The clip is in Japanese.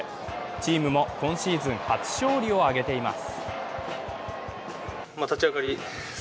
チームも今シーズン初勝利を挙げています。